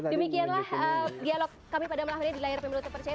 demikianlah dialog kami pada malam hari ini di layar pemilu terpercaya